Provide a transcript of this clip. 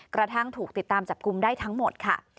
กระทั่งถูกติดตามจับกลุ่มได้ทั้งหมดค่ะ